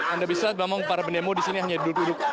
anda bisa memang para pendemo di sini hanya duduk duduk